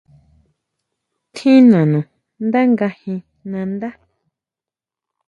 ¿Tjin nanú ndá ngajin nandá?